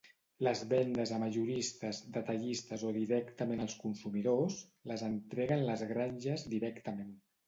Les vendes a majoristes, detallistes o directament als consumidors les entreguen les granjes directament.